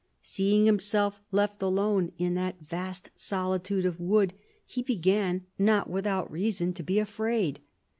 "Seeing himself left alone in that vast solitude of wood, he began, not without reason, to be afraid."